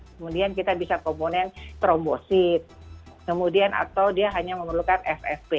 kemudian kita bisa komponen trombosit kemudian atau dia hanya memerlukan fsp